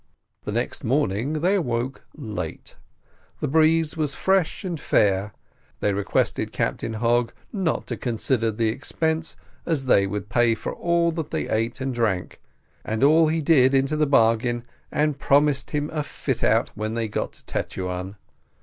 The next morning they awoke late; the breeze was fresh and fair: they requested Captain Hogg not to consider the expense, as they would pay for all they ate and drank, and all he did, into the bargain, and promised him a fit out when they got to Tetuan.